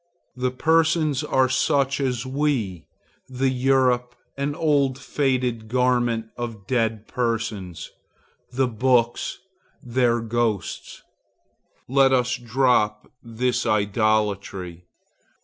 The persons are such as we; the Europe, an old faded garment of dead persons; the books, their ghosts. Let us drop this idolatry.